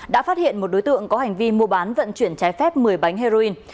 đã phát hiện một đối tượng có hành vi mua bán vận chuyển trái phép một mươi bánh heroin